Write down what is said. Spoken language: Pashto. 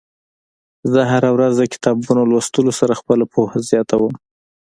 زه هره ورځ د کتابونو لوستلو سره خپله پوهه زياتوم.